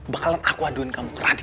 bakalan aku haduin kamu ke radit